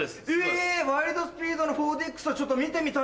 『ワイルド・スピード』の４ＤＸはちょっと見てみたいな。